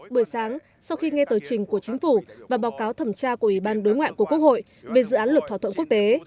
buổi sáng sau khi nghe tờ trình của chính phủ và báo cáo thẩm tra của ủy ban đối ngoại của quốc hội về dự án luật thỏa thuận quốc tế